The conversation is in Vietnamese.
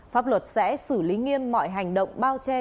pháp luật sẽ xử lý nghiêm mọi hành động bao che